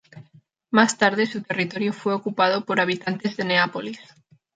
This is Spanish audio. Más tarde su territorio fue ocupado por habitantes de Neápolis.